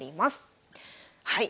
はい。